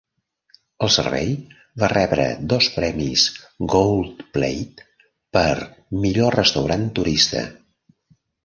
El servei va rebre dos premis "Gold Plate" per "Millor restaurant turista".